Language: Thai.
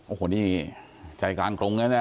โอ้โหนี่ใจกลางกรุงแล้วนะ